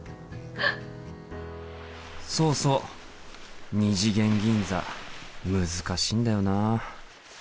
そうそう二次元銀座難しいんだよな。